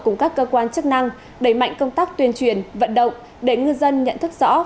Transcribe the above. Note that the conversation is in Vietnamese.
cùng các cơ quan chức năng đẩy mạnh công tác tuyên truyền vận động để ngư dân nhận thức rõ